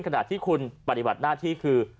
ขณะที่คุณปฏิบัติหน้าที่คือ